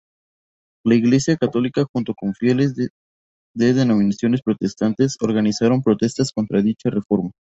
La Iglesia católica, junto con fieles de denominaciones protestantes organizaron protestas contra dicha reforma.